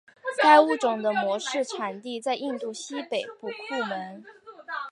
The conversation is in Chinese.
该物种的模式产地在印度西北部库蒙。